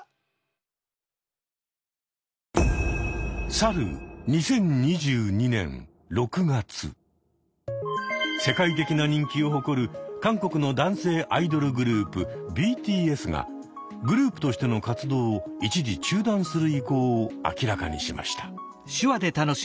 去る世界的な人気を誇る韓国の男性アイドルグループＢＴＳがグループとしての活動を一時中断する意向を明らかにしました。